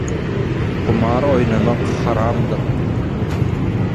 Gumar oýnamak haramdyr!